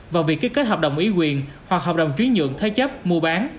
vào việc kết kết hợp đồng ý quyền hoặc hợp đồng chuyến nhượng thay chấp mua bán